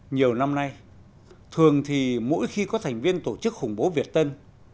nhiều năm nay thường thì mỗi khi có thành viên tổ chức khủng bố việt tân